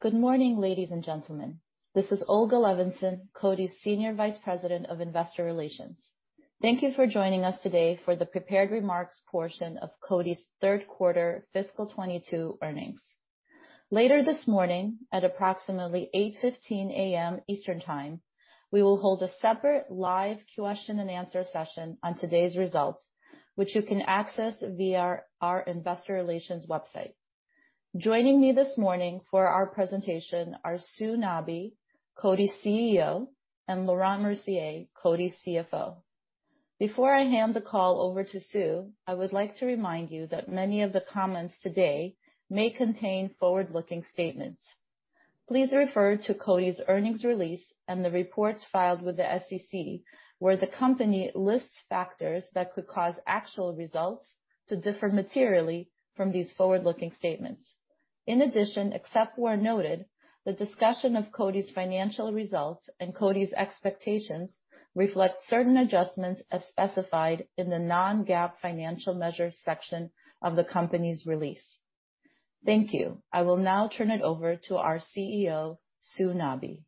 Good morning, ladies and gentlemen. This is Olga Levinzon, Coty's Senior Vice President of Investor Relations. Thank you for joining us today for the prepared remarks portion of Coty's third quarter fiscal 2022 earnings. Later this morning, at approximately 8:15 A.M. Eastern Time, we will hold a separate live question and answer session on today's results, which you can access via our investor relations website. Joining me this morning for our presentation are Sue Nabi, Coty's CEO, and Laurent Mercier, Coty's CFO. Before I hand the call over to Sue, I would like to remind you that many of the comments today may contain forward-looking statements. Please refer to Coty's earnings release and the reports filed with the SEC, where the company lists factors that could cause actual results to differ materially from these forward-looking statements. In addition, except where noted, the discussion of Coty's financial results and Coty's expectations reflect certain adjustments as specified in the non-GAAP financial measures section of the company's release. Thank you. I will now turn it over to our CEO, Sue Nabi.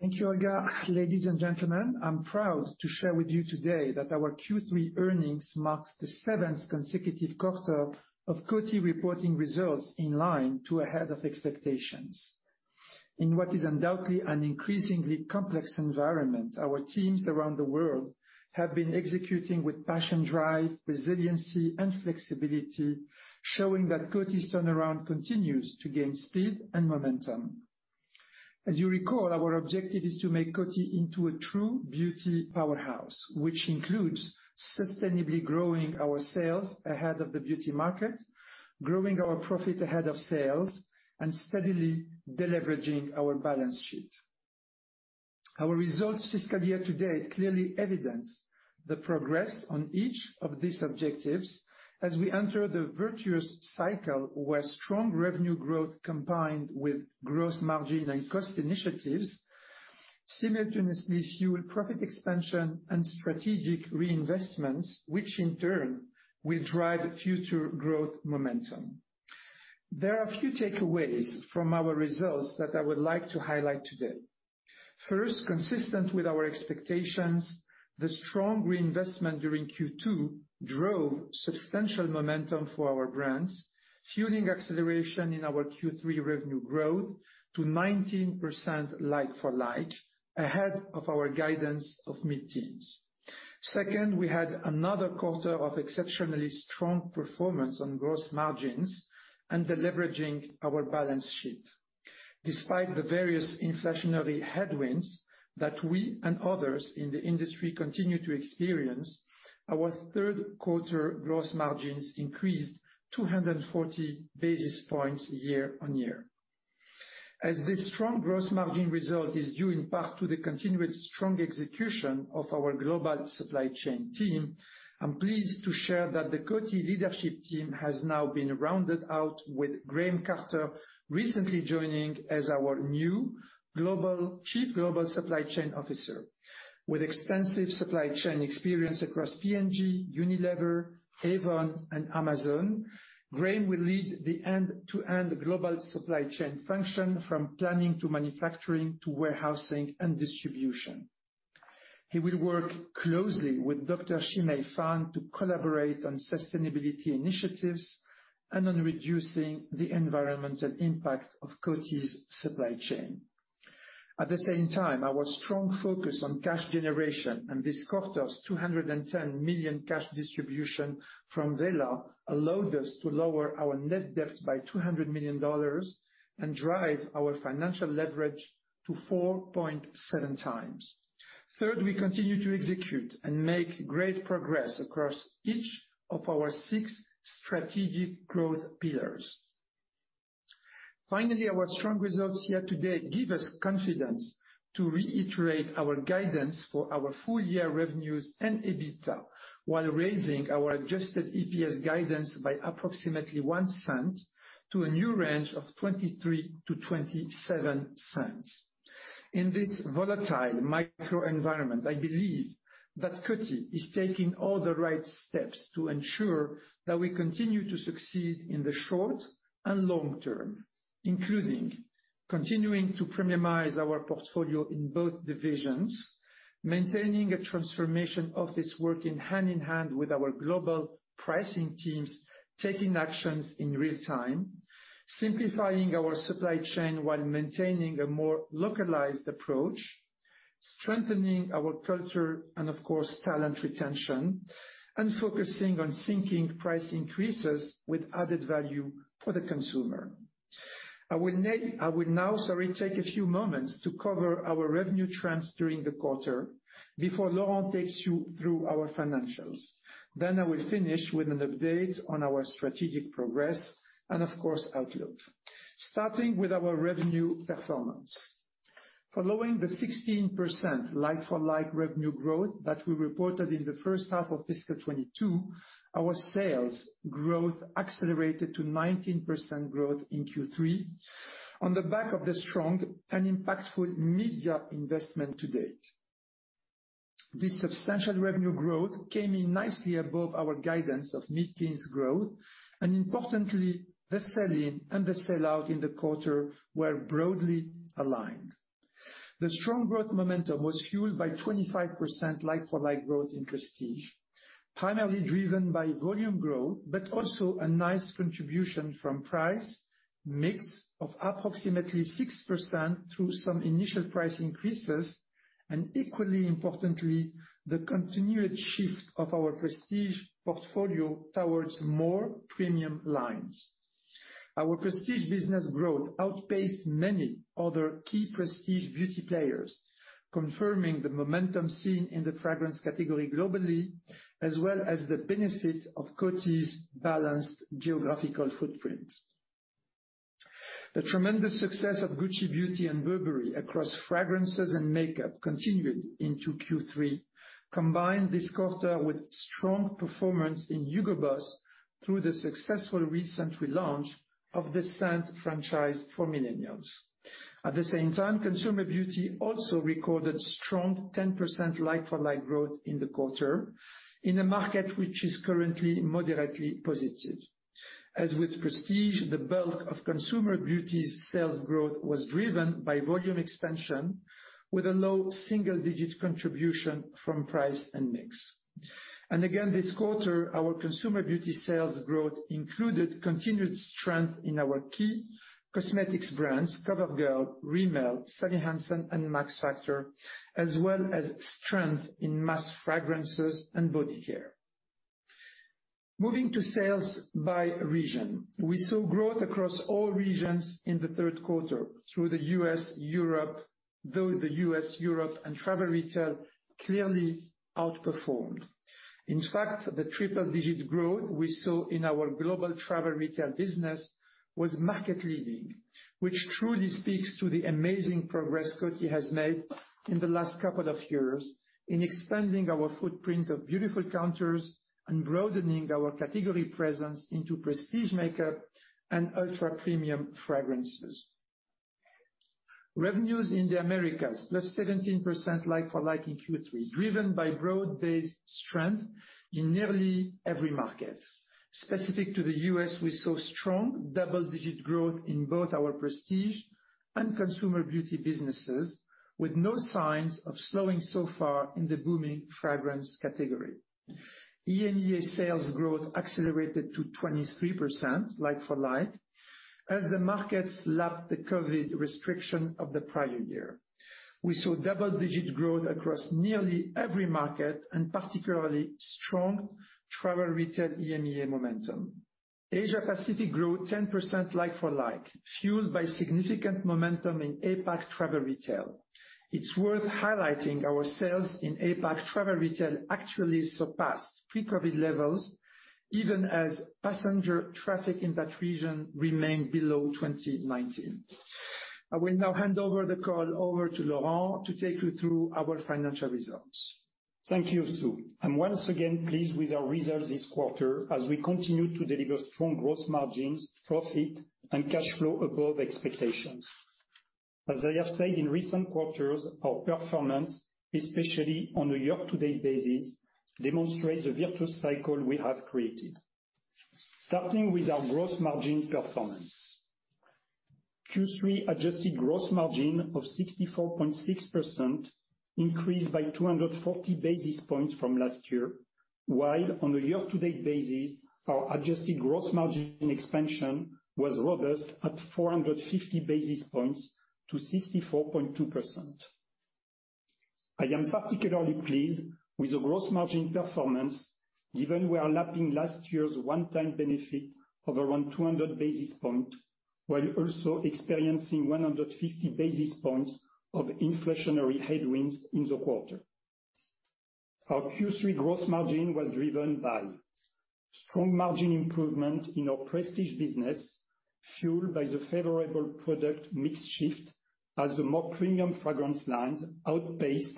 Thank you, Olga. Ladies and gentlemen, I'm proud to share with you today that our Q3 earnings marks the seventh consecutive quarter of Coty reporting results in line to ahead of expectations. In what is undoubtedly an increasingly complex environment, our teams around the world have been executing with passion, drive, resiliency, and flexibility, showing that Coty's turnaround continues to gain speed and momentum. As you recall, our objective is to make Coty into a true beauty powerhouse, which includes sustainably growing our sales ahead of the beauty market, growing our profit ahead of sales, and steadily deleveraging our balance sheet. Our results fiscal year to date clearly evidence the progress on each of these objectives as we enter the virtuous cycle where strong revenue growth, combined with gross margin and cost initiatives simultaneously fuel profit expansion and strategic reinvestments, which in turn will drive future growth momentum. There are a few takeaways from our results that I would like to highlight today. First, consistent with our expectations, the strong reinvestment during Q2 drove substantial momentum for our brands, fueling acceleration in our Q3 revenue growth to 19% like-for-like, ahead of our guidance of mid-teens. Second, we had another quarter of exceptionally strong performance on gross margins and deleveraging our balance sheet. Despite the various inflationary headwinds that we and others in the industry continue to experience, our third quarter gross margins increased 240 basis points year-on-year. As this strong gross margin result is due in part to the continued strong execution of our Global Supply Chain team, I'm pleased to share that the Coty leadership team has now been rounded out with Graeme Carter recently joining as our new Global Chief Global Supply Chain Officer. With extensive supply chain experience across P&G, Unilever, Avon, and Amazon, Graeme will lead the end-to-end global supply chain function from planning to manufacturing to warehousing and distribution. He will work closely with Dr. Shimei Fan to collaborate on sustainability initiatives and on reducing the environmental impact of Coty's supply chain. At the same time, our strong focus on cash generation and this quarter's $210 million cash distribution from Wella allowed us to lower our net debt by $200 million and drive our financial leverage to 4.7x. Third, we continue to execute and make great progress across each of our six strategic growth pillars. Finally, our strong results here today give us confidence to reiterate our guidance for our full year revenues and EBITDA, while raising our Adjusted EPS guidance by approximately $0.01 to a new range of $0.23-$0.27. In this volatile macro environment, I believe that Coty is taking all the right steps to ensure that we continue to succeed in the short and long term, including continuing to premiumize our portfolio in both divisions, maintaining this transformation work hand in hand with our global pricing teams, taking actions in real time, simplifying our supply chain while maintaining a more localized approach, strengthening our culture and, of course, talent retention, and focusing on syncing price increases with added value for the consumer. I will now, sorry, take a few moments to cover our revenue trends during the quarter before Laurent takes you through our financials. I will finish with an update on our strategic progress and of course, outlook. Starting with our revenue performance. Following the 16% like-for-like revenue growth that we reported in the first half of fiscal 2022, our sales growth accelerated to 19% growth in Q3 on the back of the strong and impactful media investment to date. This substantial revenue growth came in nicely above our guidance of mid-teens growth, and importantly, the sell-in and the sell-out in the quarter were broadly aligned. The strong growth momentum was fueled by 25% like-for-like growth in prestige, primarily driven by volume growth, but also a nice contribution from price, mix of approximately 6% through some initial price increases, and equally importantly, the continued shift of our prestige portfolio towards more premium lines. Our prestige business growth outpaced many other key prestige beauty players, confirming the momentum seen in the fragrance category globally, as well as the benefit of Coty's balanced geographical footprint. The tremendous success of Gucci Beauty and Burberry across fragrances and makeup continued into Q3, combined this quarter with strong performance in Hugo Boss through the successful recent relaunch of the scent franchise for millennials. At the same time, consumer beauty also recorded strong 10% like-for-like growth in the quarter in a market which is currently moderately positive. As with prestige, the bulk of consumer beauty's sales growth was driven by volume expansion with a low single-digit contribution from price and mix. Again, this quarter, our consumer beauty sales growth included continued strength in our key cosmetics brands, CoverGirl, Rimmel, Sally Hansen, and Max Factor, as well as strength in mass fragrances and body care. Moving to sales by region. We saw growth across all regions in the third quarter, throughout the U.S., Europe, though the U.S., Europe, and travel retail clearly outperformed. In fact, the triple-digit growth we saw in our global travel retail business was market-leading, which truly speaks to the amazing progress Coty has made in the last couple of years in expanding our footprint of beauty counters and broadening our category presence into prestige makeup and ultra-premium fragrances. Revenues in the Americas +17% like for like in Q3, driven by broad-based strength in nearly every market. Specific to the U.S., we saw strong double-digit growth in both our prestige and consumer beauty businesses, with no signs of slowing so far in the booming fragrance category. EMEA sales growth accelerated to 23% like for like, as the markets lapped the COVID restriction of the prior year. We saw double-digit growth across nearly every market, and particularly strong travel retail EMEA momentum. Asia Pacific grew 10% like for like, fueled by significant momentum in APAC travel retail. It's worth highlighting our sales in APAC travel retail actually surpassed pre-COVID levels, even as passenger traffic in that region remained below 2019. I will now hand over the call to Laurent Mercier to take you through our financial results. Thank you, Sue. I'm once again pleased with our results this quarter as we continue to deliver strong gross margins, profit, and cash flow above expectations. As I have said in recent quarters, our performance, especially on a year-to-date basis, demonstrates the virtuous cycle we have created. Starting with our gross margin performance. Q3 adjusted gross margin of 64.6% increased by 240 basis points from last year, while on a year-to-date basis, our adjusted gross margin expansion was robust at 450 basis points to 64.2%. I am particularly pleased with the gross margin performance, given we are lapping last year's one-time benefit of around 200 basis points, while also experiencing 150 basis points of inflationary headwinds in the quarter. Our Q3 gross margin was driven by strong margin improvement in our prestige business, fueled by the favorable product mix shift as the more premium fragrance lines outpaced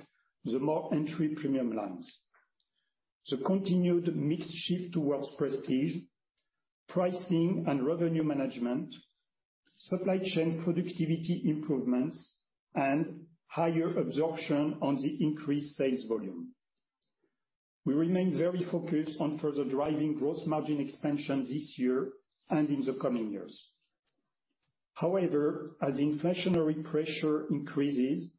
the more entry-premium lines, the continued mix shift towards prestige, pricing and revenue management, supply chain productivity improvements, and higher absorption on the increased sales volume. We remain very focused on further driving gross margin expansion this year and in the coming years. However, as inflationary pressure increases,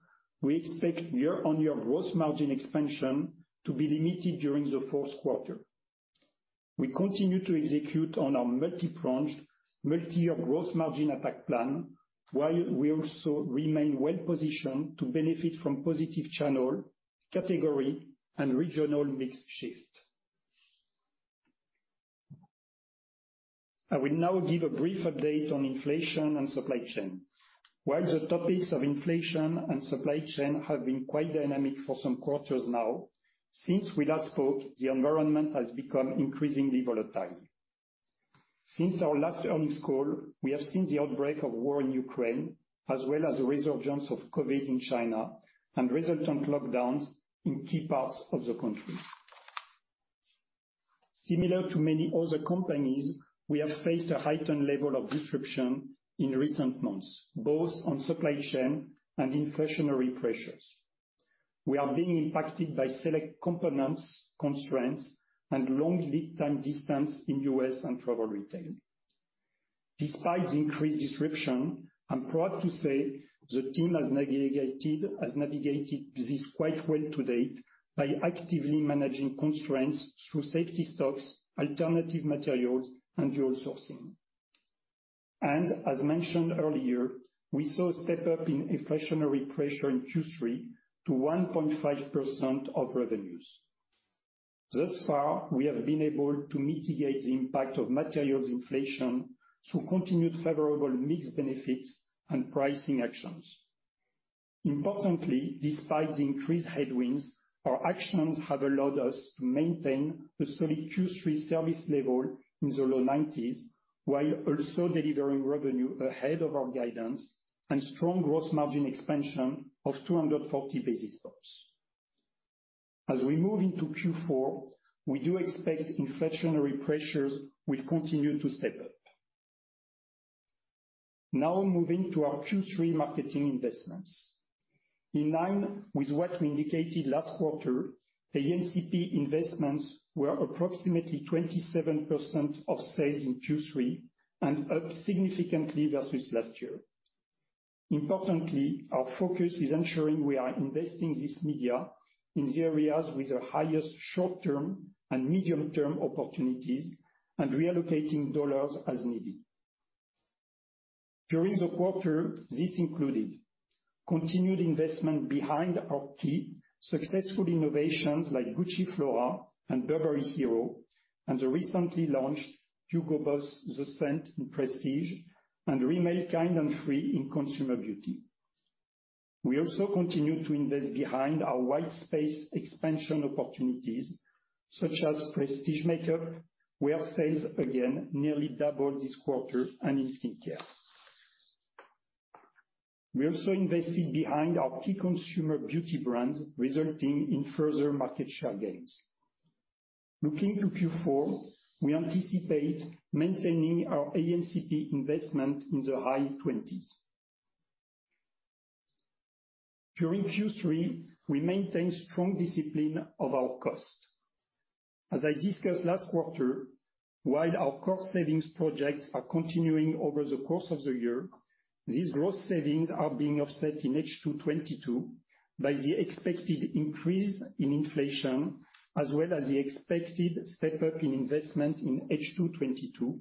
we expect year-on-year gross margin expansion to be limited during the fourth quarter. We continue to execute on our multi-pronged, multi-year gross margin attack plan, while we also remain well-positioned to benefit from positive channel, category, and regional mix shift. I will now give a brief update on inflation and supply chain. While the topics of inflation and supply chain have been quite dynamic for some quarters now, since we last spoke, the environment has become increasingly volatile. Since our last earnings call, we have seen the outbreak of war in Ukraine, as well as a resurgence of COVID in China and resultant lockdowns in key parts of the country. Similar to many other companies, we have faced a heightened level of disruption in recent months, both on supply chain and inflationary pressures. We are being impacted by select components, constraints, and long lead time distance in U.S. and travel retail. Despite the increased disruption, I'm proud to say the team has navigated this quite well to date by actively managing constraints through safety stocks, alternative materials, and dual sourcing. As mentioned earlier, we saw a step up in inflationary pressure in Q3 to 1.5% of revenues. Thus far, we have been able to mitigate the impact of materials inflation through continued favorable mix benefits and pricing actions. Importantly, despite the increased headwinds, our actions have allowed us to maintain a solid Q3 service level in the low 90s, while also delivering revenue ahead of our guidance and strong gross margin expansion of 240 basis points. As we move into Q4, we do expect inflationary pressures will continue to step up. Now moving to our Q3 marketing investments. In line with what we indicated last quarter, A&CP investments were approximately 27% of sales in Q3 and up significantly versus last year. Importantly, our focus is ensuring we are investing this media in the areas with the highest short-term and medium-term opportunities and reallocating dollars as needed. During the quarter, this included continued investment behind our key successful innovations like Gucci Flora and Burberry Hero, and the recently launched BOSS The Scent in Prestige and Rimmel Kind & Free in Consumer Beauty. We also continue to invest behind our white space expansion opportunities such as prestige makeup, where sales again nearly doubled this quarter and in skincare. We also invested behind our key consumer beauty brands, resulting in further market share gains. Looking to Q4, we anticipate maintaining our A&CP investment in the high 20s. During Q3, we maintained strong discipline of our cost. As I discussed last quarter, while our cost savings projects are continuing over the course of the year, these growth savings are being offset in H2 2022 by the expected increase in inflation as well as the expected step-up in investment in H2 2022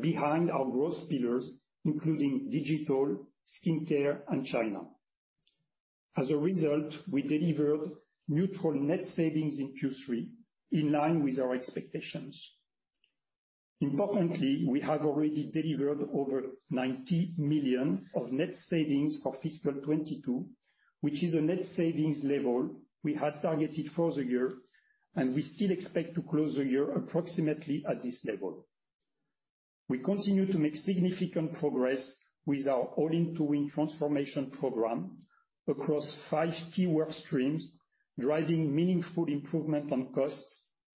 behind our growth pillars, including digital, skincare, and China. As a result, we delivered neutral net savings in Q3, in line with our expectations. Importantly, we have already delivered over $90 million of net savings for fiscal 2022, which is a net savings level we had targeted for the year, and we still expect to close the year approximately at this level. We continue to make significant progress with our All In to Win transformation program across five key work streams, driving meaningful improvement on cost,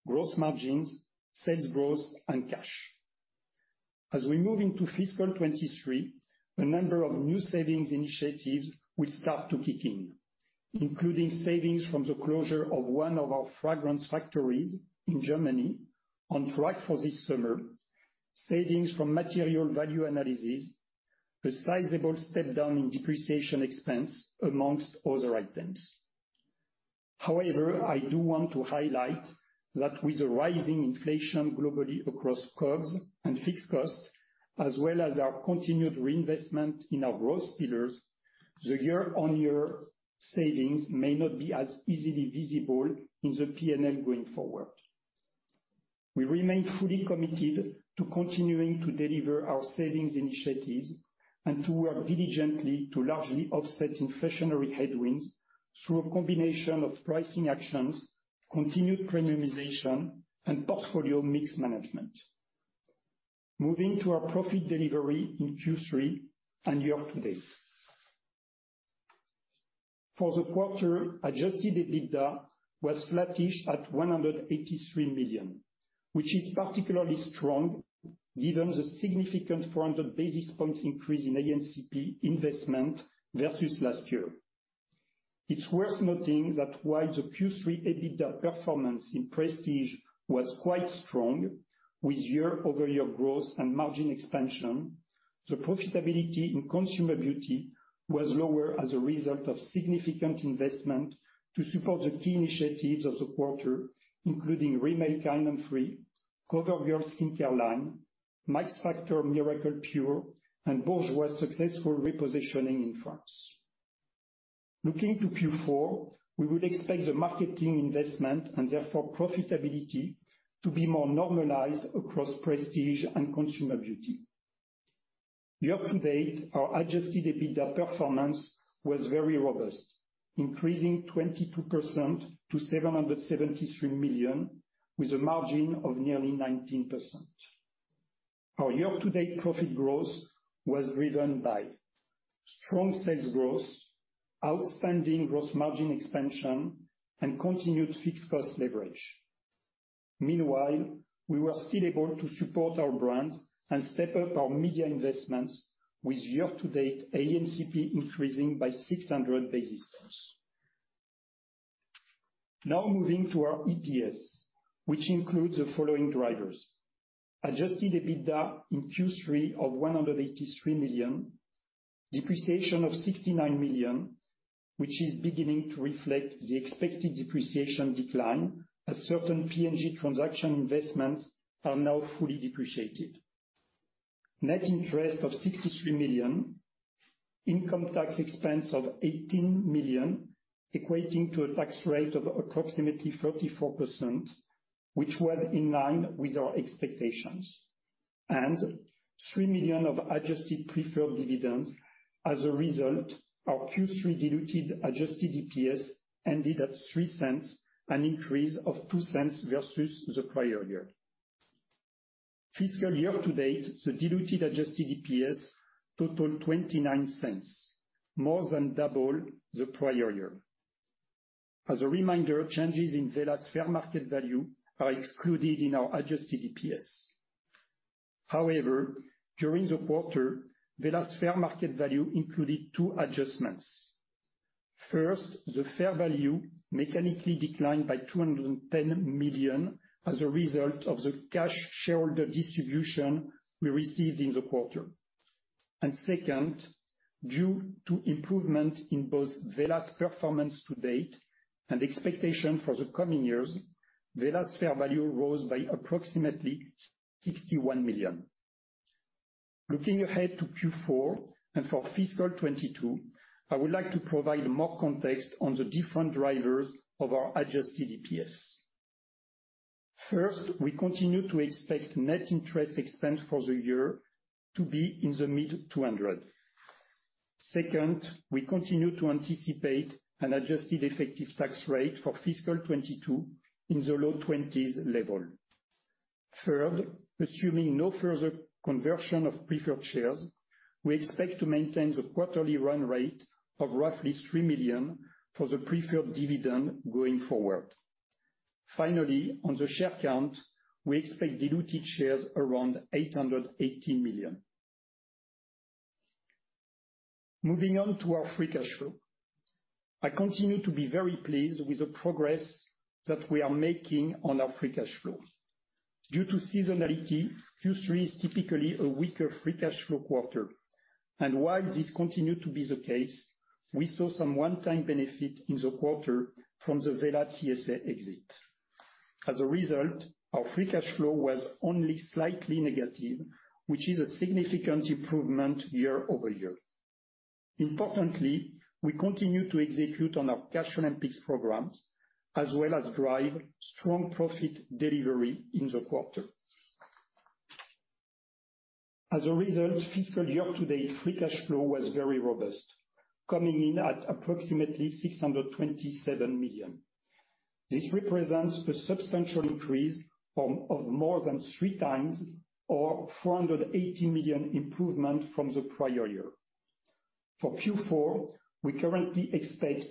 gross margins, sales growth, and cash. As we move into fiscal 2023, a number of new savings initiatives will start to kick in, including savings from the closure of one of our fragrance factories in Germany on track for this summer, savings from material value analysis, a sizable step down in depreciation expense among other items. However, I do want to highlight that with the rising inflation globally across COGS and fixed costs, as well as our continued reinvestment in our growth pillars, the year-on-year savings may not be as easily visible in the P&L going forward. We remain fully committed to continuing to deliver our savings initiatives and to work diligently to largely offset inflationary headwinds through a combination of pricing actions, continued premiumization, and portfolio mix management. Moving to our profit delivery in Q3 and year-to-date. For the quarter, Adjusted EBITDA was flattish at $183 million, which is particularly strong given the significant 400 basis points increase in A&CP investment versus last year. It's worth noting that while the Q3 EBITDA performance in Prestige was quite strong with year-over-year growth and margin expansion, the profitability in Consumer Beauty was lower as a result of significant investment to support the key initiatives of the quarter, including Rimmel Kind & Free, CoverGirl Skincare Line, Max Factor Miracle Pure, and Bourjois successful repositioning in France. Looking to Q4, we would expect the marketing investment and therefore profitability to be more normalized across Prestige and Consumer Beauty. Year-to-date, our adjusted EBITDA performance was very robust, increasing 22% to $773 million, with a margin of nearly 19%. Our year-to-date profit growth was driven by strong sales growth, outstanding gross margin expansion, and continued fixed cost leverage. Meanwhile, we were still able to support our brands and step up our media investments with year-to-date A&CP increasing by 600 basis points. Now moving to our EPS, which includes the following drivers. Adjusted EBITDA in Q3 of $183 million, depreciation of $69 million, which is beginning to reflect the expected depreciation decline as certain P&G transaction investments are now fully depreciated. Net interest of $63 million, income tax expense of $18 million, equating to a tax rate of approximately 34%, which was in line with our expectations. Three million of adjusted preferred dividends. As a result, our Q3 diluted Adjusted EPS ended at $0.03, an increase of $0.02 versus the prior year. Fiscal year to date, the diluted adjusted EPS total $0.29, more than double the prior year. As a reminder, changes in Wella's fair market value are excluded in our Adjusted EPS. However, during the quarter, Wella's fair market value included two adjustments. First, the fair value mechanically declined by $210 million as a result of the cash shareholder distribution we received in the quarter. Second, due to improvement in both Wella's performance to date and expectation for the coming years, Wella's fair value rose by approximately $61 million. Looking ahead to Q4 and for fiscal 2022, I would like to provide more context on the different drivers of our Adjusted EPS. First, we continue to expect net interest expense for the year to be in the mid-$200 million. Second, we continue to anticipate an adjusted effective tax rate for fiscal 2022 in the low 20s%. Third, assuming no further conversion of preferred shares, we expect to maintain the quarterly run rate of roughly $3 million for the preferred dividend going forward. Finally, on the share count, we expect diluted shares around 880 million. Moving on to our free cash flow. I continue to be very pleased with the progress that we are making on our free cash flow. Due to seasonality, Q3 is typically a weaker free cash flow quarter. While this continued to be the case, we saw some one-time benefit in the quarter from the Wella TSA exit. As a result, our free cash flow was only slightly negative, which is a significant improvement year-over-year. Importantly, we continue to execute on our Cash Olympics programs as well as drive strong profit delivery in the quarter. As a result, fiscal year to date, free cash flow was very robust, coming in at approximately $627 million. This represents a substantial increase of more than three times or $480 million improvement from the prior year. For Q4, we currently expect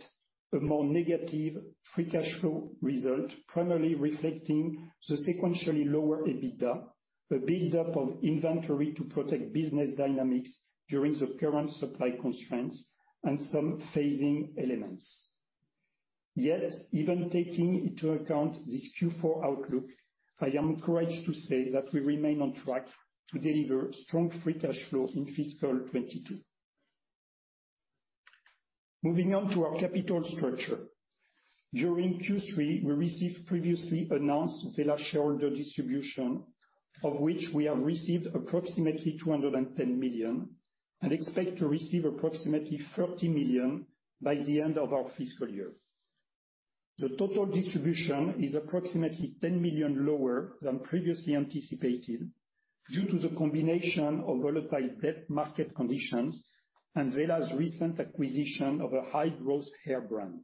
a more negative free cash flow result, primarily reflecting the sequentially lower EBITDA, a build-up of inventory to protect business dynamics during the current supply constraints and some phasing elements. Yet, even taking into account this Q4 outlook, I am encouraged to say that we remain on track to deliver strong free cash flow in fiscal 2022. Moving on to our capital structure. During Q3, we received previously announced Wella shareholder distribution, of which we have received approximately $210 million and expect to receive approximately $30 million by the end of our fiscal year. The total distribution is approximately $10 million lower than previously anticipated due to the combination of volatile debt market conditions and Wella's recent acquisition of a high-growth hair brand.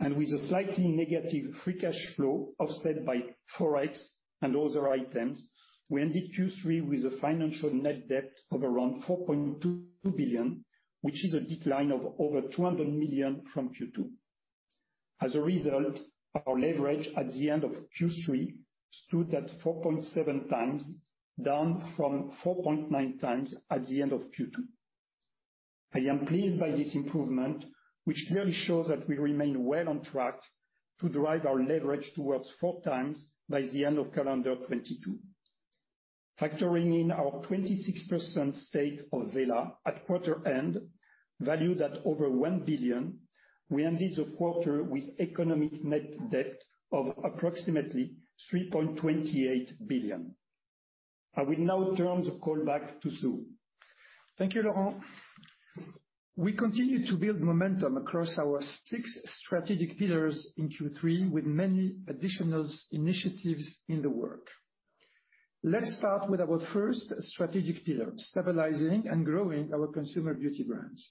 With a slightly negative free cash flow offset by Forex and other items, we ended Q3 with a financial net debt of around $4.2 billion, which is a decline of over $200 million from Q2. As a result, our leverage at the end of Q3 stood at 4.7x, down from 4.9x at the end of Q2. I am pleased by this improvement, which really shows that we remain well on track to drive our leverage towards 4x by the end of calendar 2022. Factoring in our 26% stake of Wella at quarter end, valued at over $1 billion, we ended the quarter with economic net debt of approximately $3.28 billion. I will now turn the call back to Sue. Thank you, Laurent. We continued to build momentum across our six strategic pillars in Q3 with many additional initiatives in the work. Let's start with our first strategic pillar, stabilizing and growing our consumer beauty brands.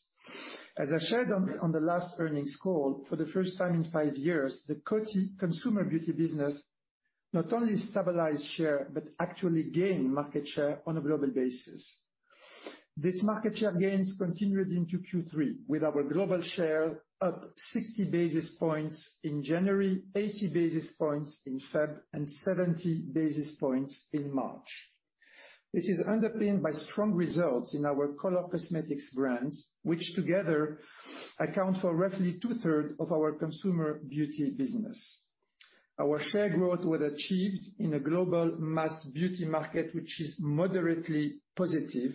As I shared on the last earnings call, for the first time in five years, the consumer beauty business not only stabilized share, but actually gained market share on a global basis. This market share gains continued into Q3 with our global share up 60 basis points in January, 80 basis points in February, and 70 basis points in March. This is underpinned by strong results in our color cosmetics brands, which together account for roughly two-thirds of our consumer beauty business. Our share growth was achieved in a global mass beauty market, which is moderately positive,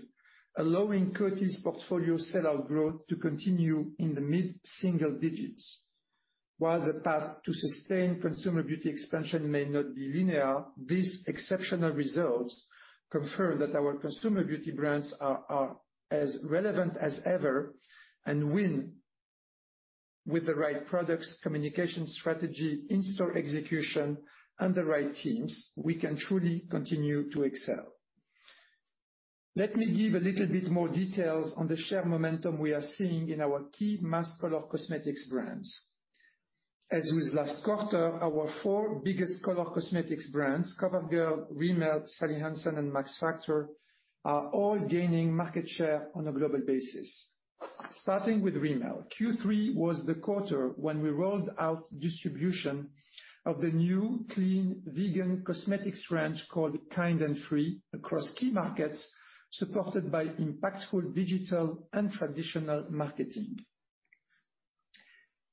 allowing Coty's portfolio sellout growth to continue in the mid-single digits. While the path to sustain consumer beauty expansion may not be linear, these exceptional results confirm that our consumer beauty brands are as relevant as ever and win with the right products, communication strategy, in-store execution, and the right teams. We can truly continue to excel. Let me give a little bit more details on the share momentum we are seeing in our key mass color cosmetics brands. As with last quarter, our four biggest color cosmetics brands, CoverGirl, Rimmel, Sally Hansen, and Max Factor, are all gaining market share on a global basis. Starting with Rimmel, Q3 was the quarter when we rolled out distribution of the new clean vegan cosmetics range called Kind & Free across key markets, supported by impactful digital and traditional marketing.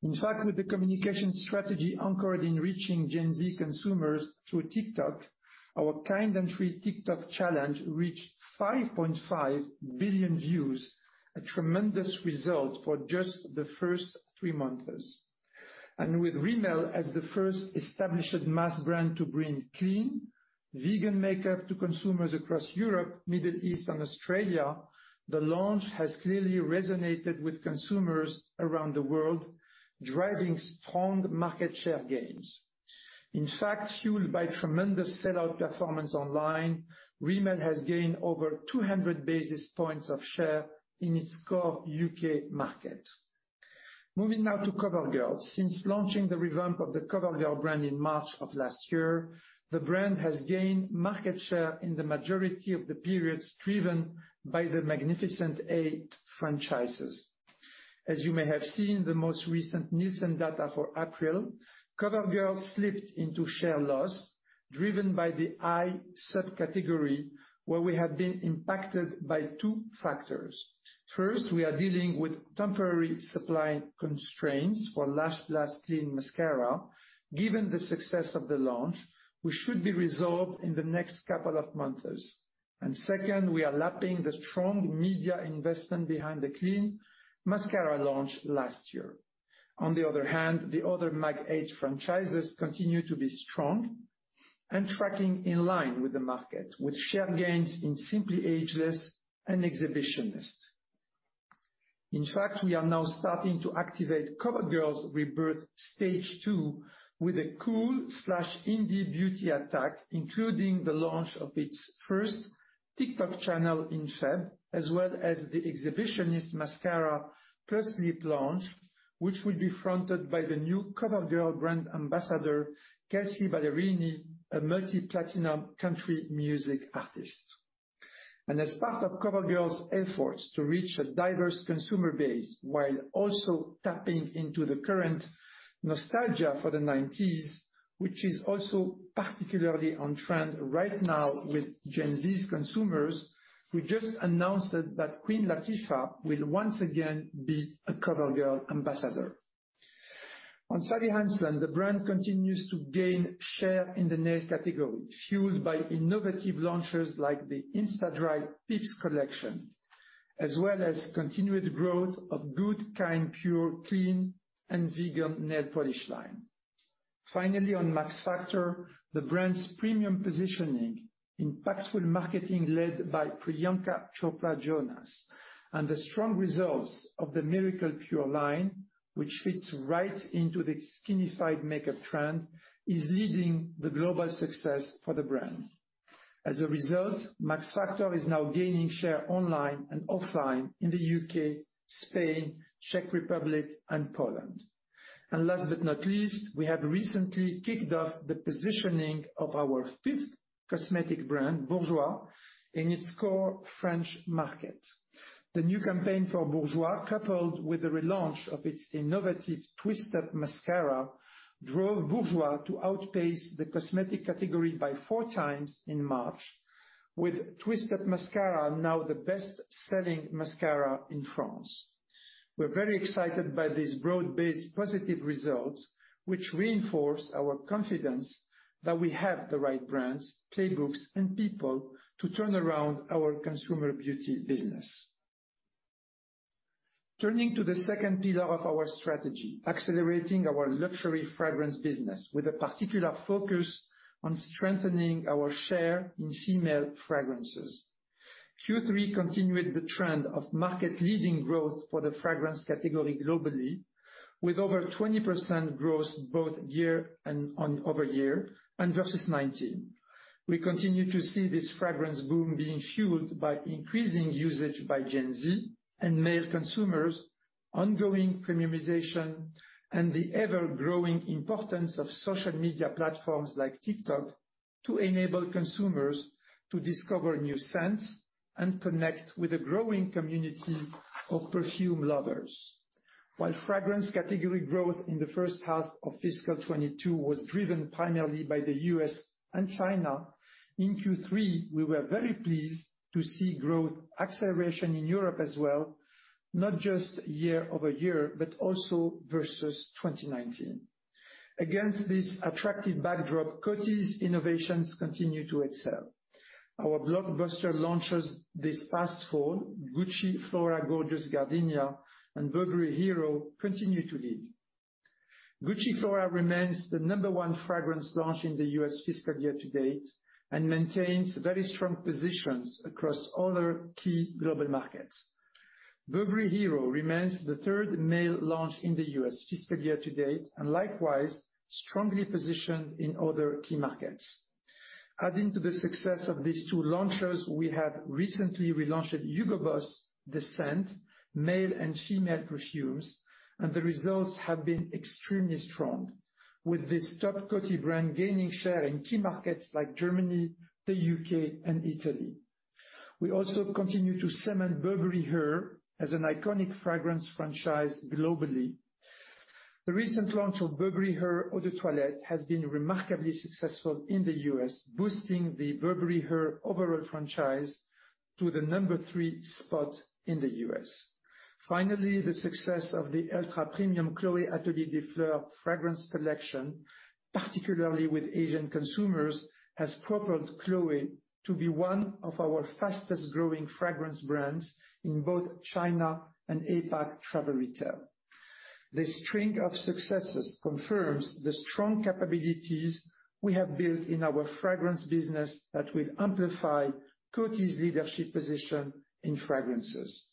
In fact, with the communication strategy anchored in reaching Gen Z consumers through TikTok, our Kind & Free TikTok challenge reached 5.5 billion views, a tremendous result for just the first three months. With Rimmel as the first established mass brand to bring clean, vegan makeup to consumers across Europe, Middle East, and Australia, the launch has clearly resonated with consumers around the world, driving strong market share gains. In fact, fueled by tremendous sellout performance online, Rimmel has gained over 200 basis points of share in its core U.K. market. Moving now to CoverGirl. Since launching the revamp of the CoverGirl brand in March of last year, the brand has gained market share in the majority of the periods driven by the Magnificent 8 franchises. As you may have seen, the most recent Nielsen data for April, CoverGirl slipped into share loss, driven by the eye subcategory where we have been impacted by two factors. First, we are dealing with temporary supply constraints for Lash Blast Clean Mascara, given the success of the launch, which should be resolved in the next couple of months. Second, we are lapping the strong media investment behind the Clean Mascara launch last year. On the other hand, the other Mag 8 franchises continue to be strong and tracking in line with the market, with share gains in Simply Ageless and Exhibitionist. In fact, we are now starting to activate CoverGirl's rebirth stage two with a cool slash indie beauty attack, including the launch of its first TikTok channel in February, as well as the Exhibitionist Mascara first lip launch, which will be fronted by the new CoverGirl brand ambassador, Kelsea Ballerini, a multi-platinum country music artist. As part of CoverGirl's efforts to reach a diverse consumer base while also tapping into the current nostalgia for the 90s, which is also particularly on trend right now with Gen Z's consumers, we just announced that Queen Latifah will once again be a CoverGirl ambassador. On Sally Hansen, the brand continues to gain share in the nail category, fueled by innovative launches like the Insta-Dri X PEEPS collection, as well as continued growth of Good. Kind. Pure. clean, and vegan nail polish line. Finally, on Max Factor, the brand's premium positioning, impactful marketing led by Priyanka Chopra Jonas, and the strong results of the Miracle Pure line, which fits right into the skinified makeup trend, is leading the global success for the brand. As a result, Max Factor is now gaining share online and offline in the U.K., Spain, Czech Republic, and Poland. Last but not least, we have recently kicked off the positioning of our fifth cosmetic brand, Bourjois, in its core French market. The new campaign for Bourjois, coupled with the relaunch of its innovative Twist Up mascara, drove Bourjois to outpace the cosmetic category by four times in March with Twist Up mascara now the best-selling mascara in France. We're very excited by these broad-based positive results, which reinforce our confidence that we have the right brands, playbooks, and people to turn around our consumer beauty business. Turning to the second pillar of our strategy, accelerating our luxury fragrance business with a particular focus on strengthening our share in female fragrances. Q3 continued the trend of market-leading growth for the fragrance category globally. With over 20% growth both year-over-year and versus 2019. We continue to see this fragrance boom being fueled by increasing usage by Gen Z and male consumers, ongoing premiumization, and the ever-growing importance of social media platforms like TikTok to enable consumers to discover new scents and connect with a growing community of perfume lovers. While fragrance category growth in the first half of fiscal 2022 was driven primarily by the U.S. and China, in Q3, we were very pleased to see growth acceleration in Europe as well, not just year-over-year, but also versus 2019. Against this attractive backdrop, Coty's innovations continue to excel. Our blockbuster launches this past fall, Gucci Flora Gorgeous Gardenia and Burberry Hero continue to lead. Gucci Flora remains the number one fragrance launch in the U.S. fiscal year to date and maintains very strong positions across other key global markets. Burberry Hero remains the third male launch in the U.S. fiscal year to date, and likewise, strongly positioned in other key markets. Adding to the success of these two launches, we have recently relaunched Hugo Boss The Scent, male and female perfumes, and the results have been extremely strong. With this top Coty brand gaining share in key markets like Germany, the U.K., and Italy. We also continue to cement Burberry Her as an iconic fragrance franchise globally. The recent launch of Burberry Her Eau de Toilette has been remarkably successful in the U.S., boosting the Burberry Her overall franchise to the number three spot in the U.S. Finally, the success of the ultra-premium Chloé Atelier des Fleurs fragrance collection, particularly with Asian consumers, has propelled Chloé to be one of our fastest-growing fragrance brands in both China and APAC travel retail. The string of successes confirms the strong capabilities we have built in our fragrance business that will amplify Coty's leadership position in fragrances.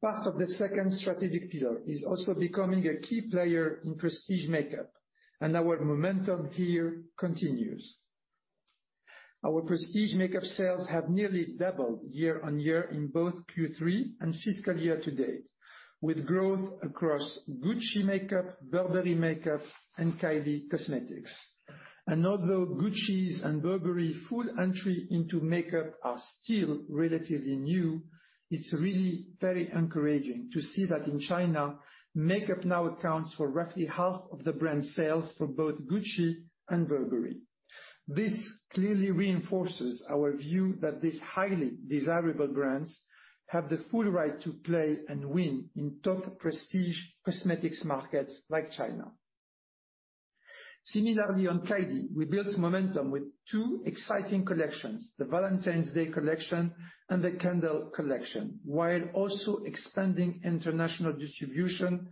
Part of the second strategic pillar is also becoming a key player in prestige makeup and our momentum here continues. Our prestige makeup sales have nearly doubled year-on-year in both Q3 and fiscal year to date, with growth across Gucci makeup, Burberry makeup, and Kylie Cosmetics. Although Gucci's and Burberry full entry into makeup are still relatively new, it's really very encouraging to see that in China, makeup now accounts for roughly half of the brand's sales for both Gucci and Burberry. This clearly reinforces our view that these highly desirable brands have the full right to play and win in top prestige cosmetics markets like China. Similarly on Kylie, we built momentum with two exciting collections, the Valentine's Day collection and the candle collection, while also expanding international distribution,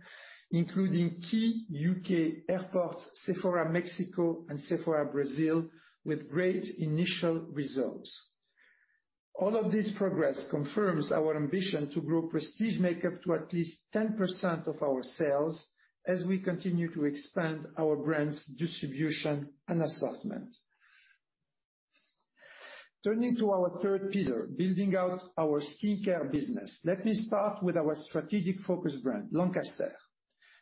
including key U.K. airports, Sephora Mexico, and Sephora Brazil with great initial results. All of this progress confirms our ambition to grow prestige makeup to at least 10% of our sales as we continue to expand our brands' distribution and assortment. Turning to our third pillar, building out our skincare business. Let me start with our strategic focus brand, Lancaster.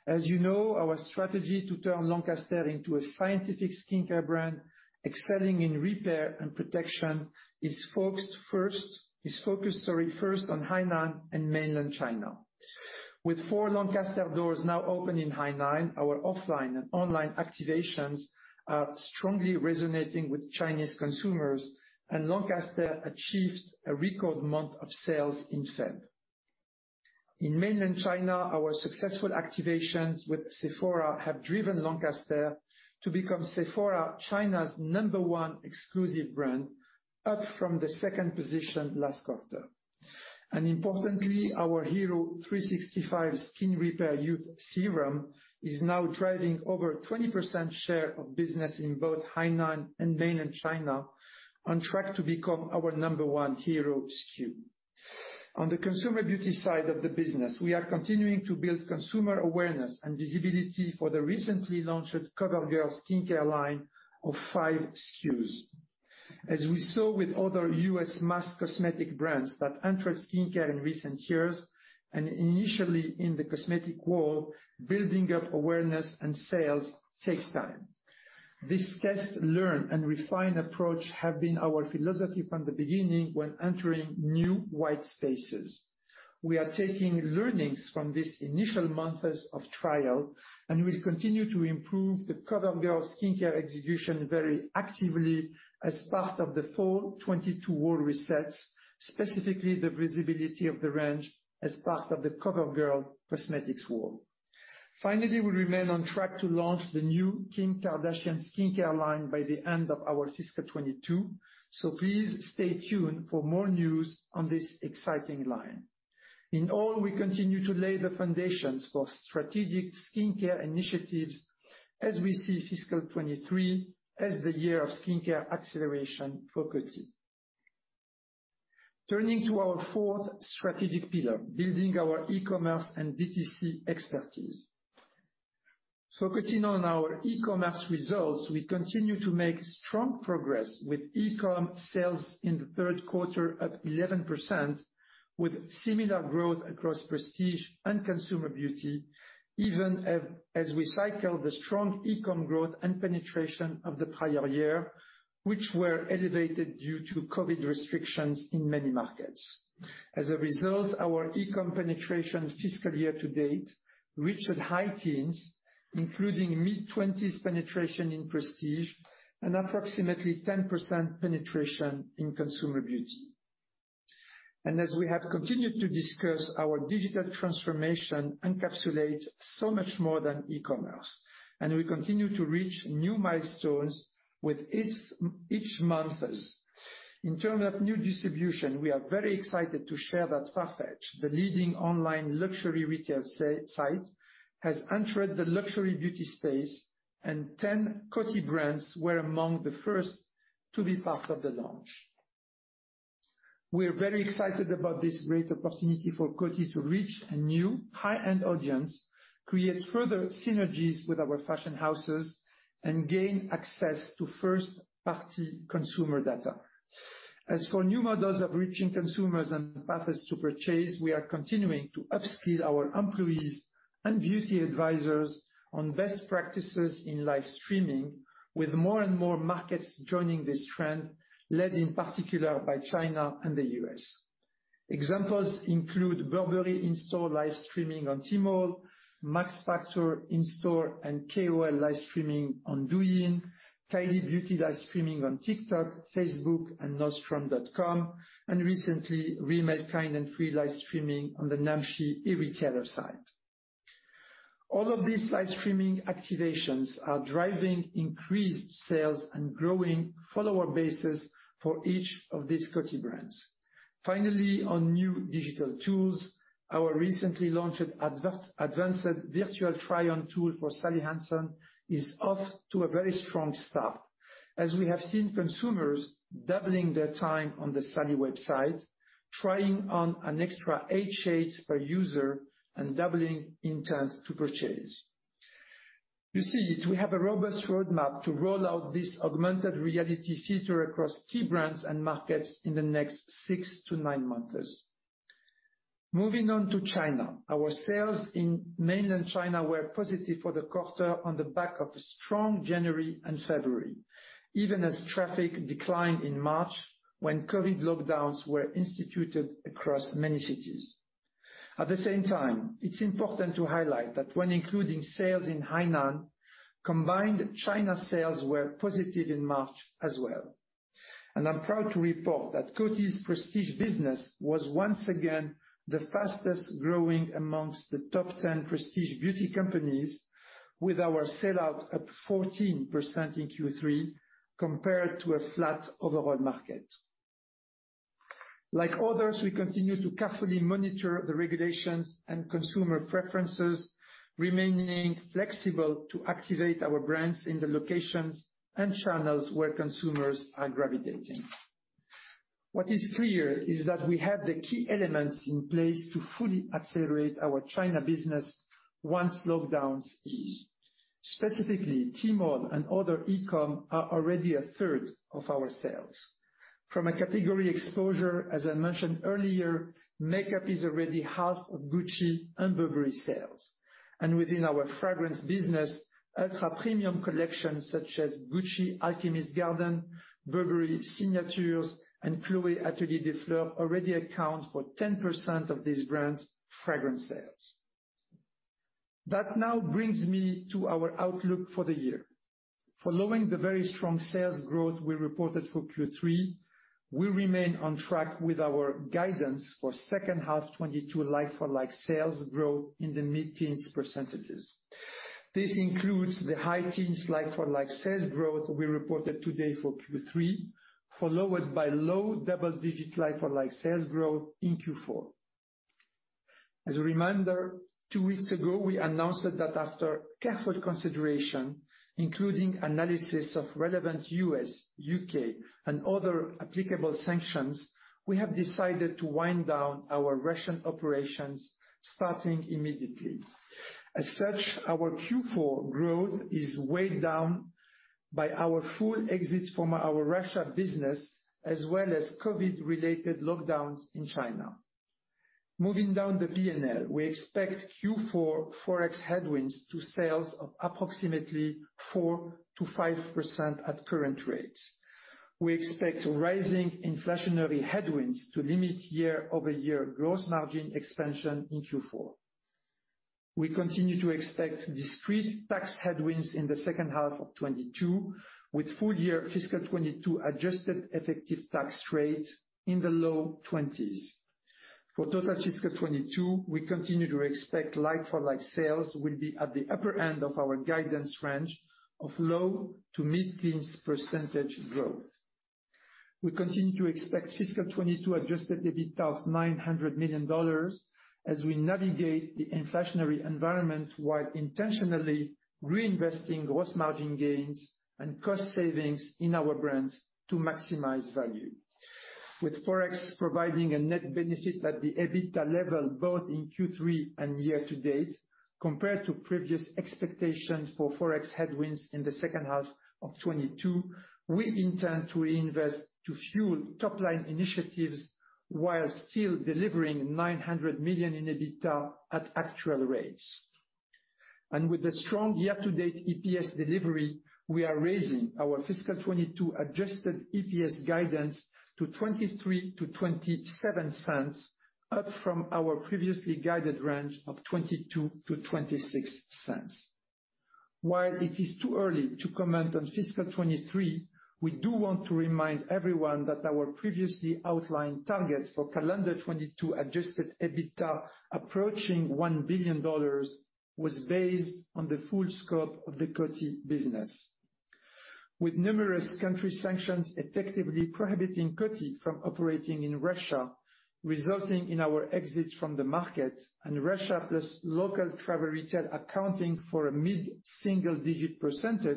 As you know, our strategy to turn Lancaster into a scientific skincare brand excelling in repair and protection is focused first on Hainan and mainland China. With 4 Lancaster doors now open in Hainan, our offline and online activations are strongly resonating with Chinese consumers, and Lancaster achieved a record month of sales in February. In mainland China, our successful activations with Sephora have driven Lancaster to become Sephora China's number one exclusive brand, up from the second position last quarter. Importantly, our hero 365 Skin Repair Serum Youth Renewal is now driving over 20% share of business in both Hainan and mainland China, on track to become our number one hero SKU. On the consumer beauty side of the business, we are continuing to build consumer awareness and visibility for the recently launched CoverGirl skincare line of 5 SKUs. As we saw with other U.S. mass cosmetic brands that entered skincare in recent years, and initially in the cosmetic world, building up awareness and sales takes time. This test, learn, and refine approach have been our philosophy from the beginning when entering new white spaces. We are taking learnings from these initial months of trial and will continue to improve the CoverGirl skincare execution very actively as part of the fall 2022 world resets, specifically the visibility of the range as part of the CoverGirl cosmetics world. Finally, we remain on track to launch the new Kim Kardashian skincare line by the end of our fiscal 2022. Please stay tuned for more news on this exciting line. In all, we continue to lay the foundations for strategic skincare initiatives as we see fiscal 2023 as the year of skincare acceleration for Coty. Turning to our fourth strategic pillar, building our e-commerce and D2C expertise. Focusing on our e-commerce results, we continue to make strong progress with e-com sales in the third quarter at 11%, with similar growth across prestige and consumer beauty, even as we cycle the strong e-com growth and penetration of the prior year, which were elevated due to COVID restrictions in many markets. As a result, our e-com penetration fiscal year to date reached high teens, including mid-20s penetration in prestige and approximately 10% penetration in consumer beauty. As we have continued to discuss, our digital transformation encapsulates so much more than e-commerce, and we continue to reach new milestones with it each month. In terms of new distribution, we are very excited to share that Farfetch, the leading online luxury retail site, has entered the luxury beauty space, and 10 Coty brands were among the first to be part of the launch. We're very excited about this great opportunity for Coty to reach a new high-end audience, create further synergies with our fashion houses, and gain access to first-party consumer data. As for new models of reaching consumers and pathways to purchase, we are continuing to upskill our employees and beauty advisors on best practices in live streaming, with more and more markets joining this trend, led in particular by China and the U.S. Examples include Burberry in-store live streaming on Tmall, Max Factor in-store and KOL live streaming on Douyin, Kylie Beauty live streaming on TikTok, Facebook, and nordstrom.com, and recently Rimmel Kind & Free live streaming on the Namshi e-retailer site. All of these live streaming activations are driving increased sales and growing follower bases for each of these Coty brands. Finally, on new digital tools, our recently launched advanced virtual try-on tool for Sally Hansen is off to a very strong start, as we have seen consumers doubling their time on the Sally website, trying on an extra eight shades per user and doubling intent to purchase. You see, we have a robust roadmap to roll out this augmented reality feature across key brands and markets in the next six to nine months. Moving on to China. Our sales in Mainland China were positive for the quarter on the back of a strong January and February, even as traffic declined in March when COVID lockdowns were instituted across many cities. At the same time, it's important to highlight that when including sales in Hainan, combined China sales were positive in March as well. I'm proud to report that Coty's prestige business was once again the fastest-growing among the top 10 prestige beauty companies, with our sell-out at 14% in Q3 compared to a flat overall market. Like others, we continue to carefully monitor the regulations and consumer preferences, remaining flexible to activate our brands in the locations and channels where consumers are gravitating. What is clear is that we have the key elements in place to fully accelerate our China business once lockdowns ease. Specifically, Tmall and other e-com are already 1/3 of our sales. From a category exposure, as I mentioned earlier, makeup is already 1/2 of Gucci and Burberry sales. Within our fragrance business, ultra-premium collections such as Gucci The Alchemist's Garden, Burberry Signatures, and Chloé Atelier des Fleurs already account for 10% of these brands' fragrance sales. That now brings me to our outlook for the year. Following the very strong sales growth we reported for Q3, we remain on track with our guidance for second half 2022 like-for-like sales growth in the mid-teens %. This includes the high teens like-for-like sales growth we reported today for Q3, followed by low double-digit like-for-like sales growth in Q4. As a reminder, two weeks ago, we announced that after careful consideration, including analysis of relevant U.S., U.K., and other applicable sanctions, we have decided to wind down our Russian operations starting immediately. As such, our Q4 growth is weighed down by our full exit from our Russia business, as well as COVID-related lockdowns in China. Moving down the P&L, we expect Q4 Forex headwinds to sales of approximately 4%-5% at current rates. We expect rising inflationary headwinds to limit year-over-year gross margin expansion in Q4. We continue to expect discrete tax headwinds in the second half of 2022, with full year fiscal 2022 adjusted effective tax rate in the low 20s%. For total fiscal 2022, we continue to expect like-for-like sales will be at the upper end of our guidance range of low- to mid-teens% growth. We continue to expect fiscal 2022 Adjusted EBITDA of $900 million as we navigate the inflationary environment while intentionally reinvesting gross margin gains and cost savings in our brands to maximize value. With Forex providing a net benefit at the EBITDA level, both in Q3 and year-to-date, compared to previous expectations for Forex headwinds in the second half of 2022, we intend to reinvest to fuel top line initiatives while still delivering $900 million in EBITDA at actual rates. With the strong year-to-date EPS delivery, we are raising our fiscal 2022 Adjusted EPS guidance to $0.23-$0.27, up from our previously guided range of $0.22-$0.26. While it is too early to comment on fiscal 2023, we do want to remind everyone that our previously outlined targets for calendar 2022 Adjusted EBITDA approaching $1 billion was based on the full scope of the Coty business. With numerous country sanctions effectively prohibiting Coty from operating in Russia, resulting in our exit from the market and Russia plus local travel retail accounting for a mid-single digit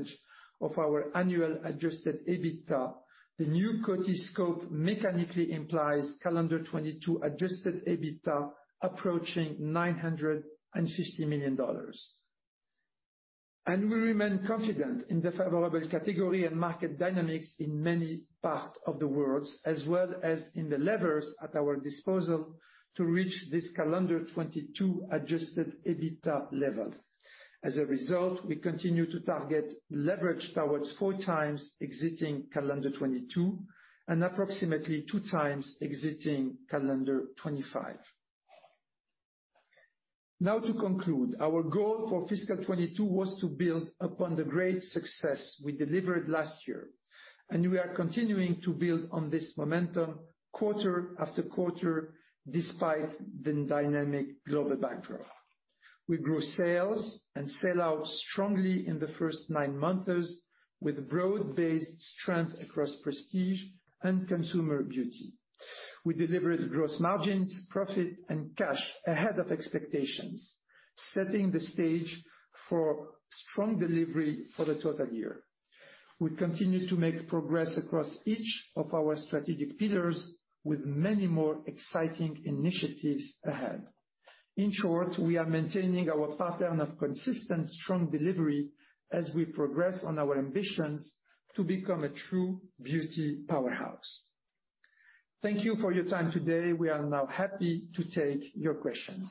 % of our annual Adjusted EBITDA, the new Coty scope mechanically implies calendar 2022 Adjusted EBITDA approaching $950 million. We remain confident in the favorable category and market dynamics in many parts of the world, as well as in the levers at our disposal to reach this calendar 2022 Adjusted EBITDA level. As a result, we continue to target leverage towards 4x exiting calendar 2022 and approximately 2x exiting calendar 2025. Now to conclude, our goal for fiscal 2022 was to build upon the great success we delivered last year, and we are continuing to build on this momentum quarter after quarter, despite the dynamic global backdrop. We grew sales and sell-out strongly in the first nine months with broad-based strength across prestige and consumer beauty. We delivered gross margins, profit, and cash ahead of expectations, setting the stage for strong delivery for the total year. We continue to make progress across each of our strategic pillars with many more exciting initiatives ahead. In short, we are maintaining our pattern of consistent, strong delivery as we progress on our ambitions to become a true beauty powerhouse. Thank you for your time today. We are now happy to take your questions.